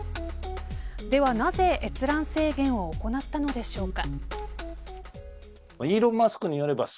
ではなぜ閲覧制限を行ったのでしょうか。